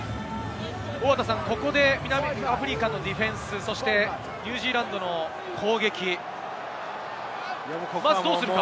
ここで南アフリカのディフェンス、そしてニュージーランドの攻撃どうするか？